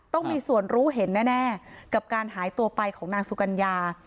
ต้องมีส่วนรู้เห็นแน่กับการหายตัวไปของนางสุกัญญา